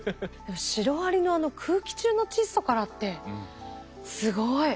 シロアリのあの空気中の窒素からってすごい。